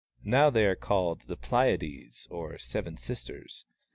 Now they are called the Pleiades, or Seven Sisters.